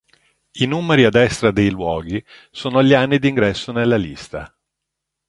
I numeri a destra dei luoghi sono gli anni di ingresso nella lista.